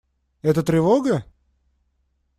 Это тревога?